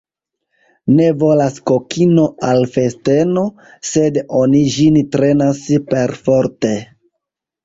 Ne volas kokino al festeno, sed oni ĝin trenas perforte.